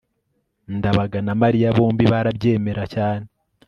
ndabaga na mariya bombi barabyemera cyane